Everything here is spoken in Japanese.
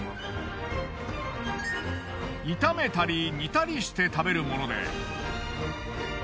炒めたり煮たりして食べるもので。